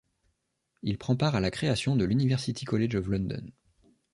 Il prend part à la création de l'University College of London.